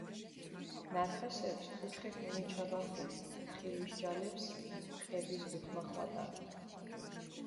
ნათასეფს კუჩხით მინიჩაბახუდჷ, ხილიშ ჯალეფს ტყების გუთმახვატანდჷ.